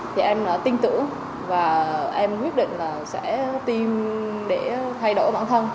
thì em tin tưởng và em quyết định là sẽ tìm để thay đổi bản thân